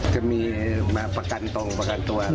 จะมีมาประกันตรงประกันตัว